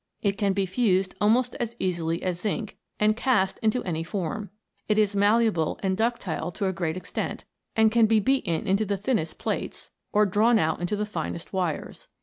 It can be fused almost as easily as zinc, and cast into any form. It is malleable and ductile to a great extent, and can be beaten into the thinnest plates, or drawn out into the finest wires.